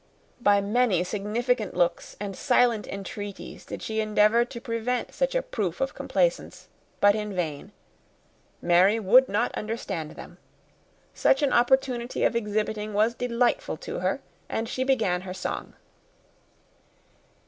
By many significant looks and silent entreaties did she endeavour to prevent such a proof of complaisance, but in vain; Mary would not understand them; such an opportunity of exhibiting was delightful to her, and she began her song.